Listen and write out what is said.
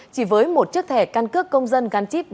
chỉ với một chiếc thẻ căn cước công dân gắn chip